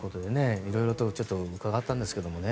いろいろ、伺ったんですけど。